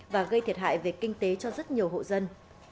và gây thiệt hại về kinh tế cho rất nhiều hộ dân